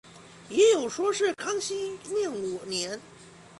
也有说是康熙廿五年。